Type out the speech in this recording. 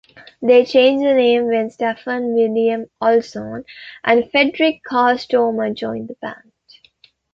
They changed the name when Staffan William-Olsson and Fredrik Carl Stormer joined the band.